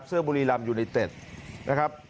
เสื้อบุรีลำอยู่ในเต็ดนะครับ